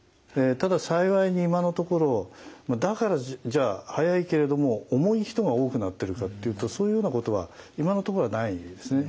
ただ幸いに今のところだからじゃあ速いけれども重い人が多くなってるかっていうとそういうようなことは今のところはないですね。